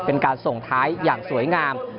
เป็นการส่งท้ายอย่างสวยงาม